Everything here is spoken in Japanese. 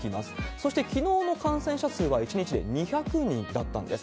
そして、きのうの感染者数は１日で２００人だったんです。